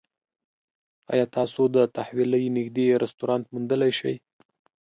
ایا تاسو د تحویلۍ نږدې رستورانت موندلی شئ؟